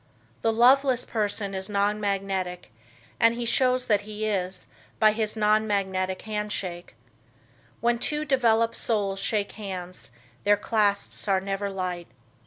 The loveless person is non magnetic and he shows that he is by his non magnetic hand shake. When two developed souls shake hands, their clasps are never light.